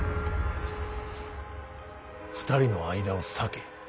２人の間を裂け。